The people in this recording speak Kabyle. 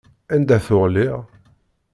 Anda tuɣ lliɣ?